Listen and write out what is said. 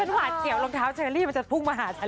หวาดเสียวรองเท้าเชอรี่มันจะพุ่งมาหาฉัน